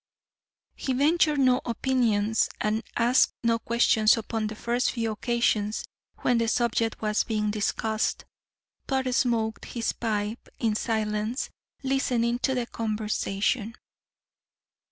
He ventured no opinions and asked no questions upon the first few occasions when the subject was being discussed, but smoked his pipe in silence, listening to the conversation.